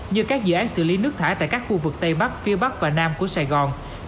như các dự án xử lý nước thải tại các khu vực tây bắc phía bắc và nam của sài gòn